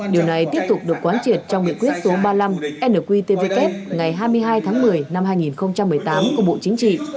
điều này tiếp tục được quán triệt trong nghị quyết số ba mươi năm nqtvk ngày hai mươi hai tháng một mươi năm hai nghìn một mươi tám của bộ chính trị